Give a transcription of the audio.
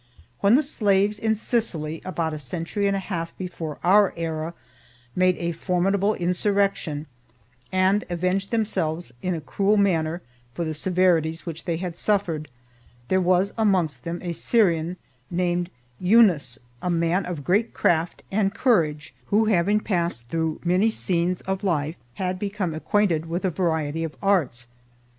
When the slaves in Sicily, about a century and a half before our era, made a formidable insurrection, and avenged themselves in a cruel manner, for the severities which they had suffered, there was amongst them a Syrian named Eunus a man of great craft and courage; who having passed through many scenes of life, had become acquainted with a variety of arts.